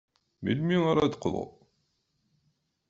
Melmi ara d-teqḍud?